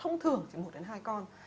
thông thường chỉ một đến hai con